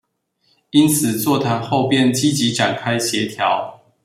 因此座談後便積極展開協調